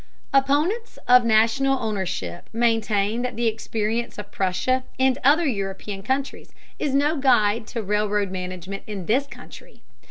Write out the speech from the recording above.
Opponents of national ownership maintain that the experience of Prussia and other European countries is no guide to railroad management in this country.